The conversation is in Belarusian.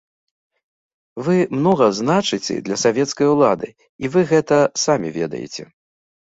Вы многа значыце для савецкай улады, і вы гэта самі ведаеце.